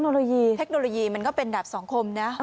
นี่เทคโนโลยีมันก็เป็นแบบสองคมนั้นนะ